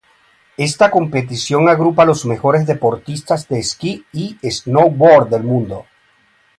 Esta competición agrupa los mejores deportistas de esquí y snowboard del mundo.